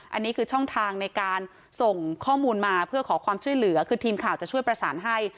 อันนี้คือช่องทางในการส่งข้อมูลมาเพื่อขอความช่วยเหลือคือทีมข่าวจะช่วยประสานให้